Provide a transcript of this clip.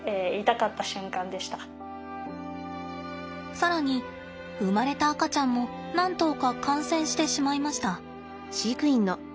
さらに生まれた赤ちゃんも何頭か感染してしまいました。